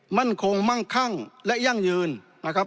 มั่นคงมั่งคั่งและยั่งยืนนะครับ